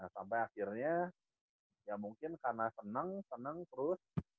sampai akhirnya ya mungkin karena senang senang terus